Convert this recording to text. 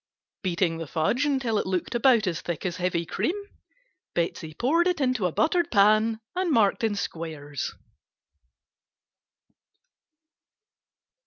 Beating the fudge until it looked about as thick as heavy cream, Betsey poured it into a buttered pan and marked in squares.